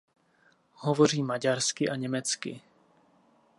Hovoří maďarsky a německy.